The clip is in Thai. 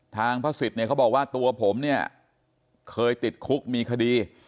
พระศิษย์เนี่ยเขาบอกว่าตัวผมเนี่ยเคยติดคุกมีคดี